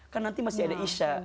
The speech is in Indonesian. kan nanti masih ada isya